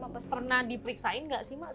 pernah diperiksain nggak sih mak